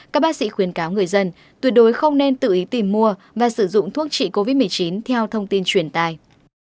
các bác sĩ khuyến cáo người dân tuyệt đối không nên tự ý tìm mua và sử dụng thuốc trị covid một mươi chín theo thông tin truyền tài